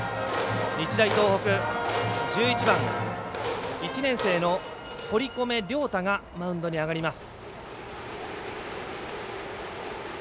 日大東北、１１番の１年生の堀米涼太がマウンドに上がります。